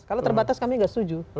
kalau terbatas kami nggak setuju